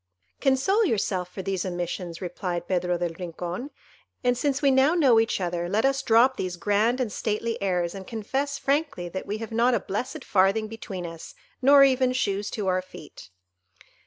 "Console yourself for these omissions," replied Pedro del Rincon; "and since we now know each other, let us drop these grand and stately airs, and confess frankly that we have not a blessed farthing between us, nor even shoes to our feet."